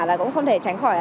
là cũng không thể tránh khỏi